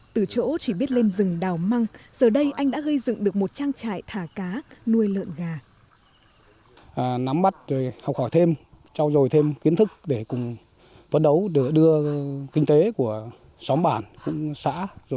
từ chỗ chỉ biết lên rừng đào măng giờ đây anh đã gây dựng được một trang trại thả cá nuôi lợn gà